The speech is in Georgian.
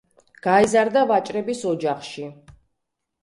გაიზარდა ვაჭრების ოჯახში.